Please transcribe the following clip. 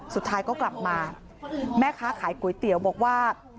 สุดท้ายก็กลับมาแม่ค้าขายก๋วยเตี๋ยวบอกว่า